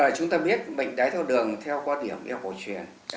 chúng ta biết bệnh đáy tháo đường theo quan điểm y học cổ truyền